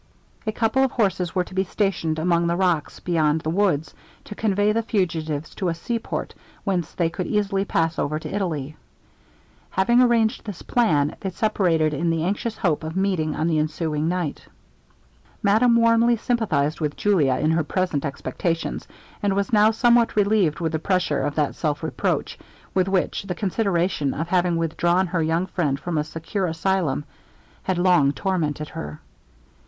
A couple of horses were to be stationed among the rocks beyond the woods, to convey the fugitives to a sea port, whence they could easily pass over to Italy. Having arranged this plan, they separated in the anxious hope of meeting on the ensuing night. Madame warmly sympathized with Julia in her present expectations, and was now somewhat relieved from the pressure of that self reproach, with which the consideration of having withdrawn her young friend from a secure asylum, had long tormented her.